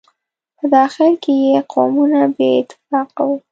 په داخل کې یې قومونه بې اتفاقه وو.